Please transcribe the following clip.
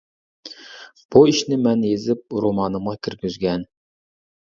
-بۇ ئىشنى مەن يېزىپ رومانىمغا كىرگۈزگەن.